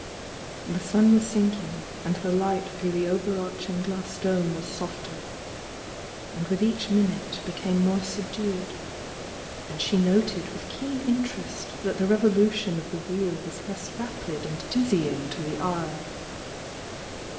The sun was sinking, and the light through the over arching glass dome was softer, and with each min ute became more subdued, — and she noted with keen interest that the revolution of the wheel was less rapid and dizzying to the eye.